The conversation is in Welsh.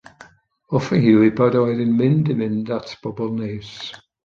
Hoffai hi wybod a oedd hi'n mynd i fynd at bobl neis.